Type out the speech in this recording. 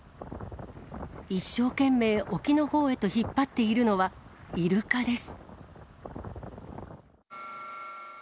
一生懸命、沖のほうへと引っ張っているのは、イルカです。